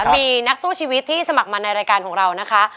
มีนักสู้ชีวิตที่สมัครมาในรายการของเรานะคะ